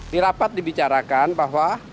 dirapat dibicarakan bahwa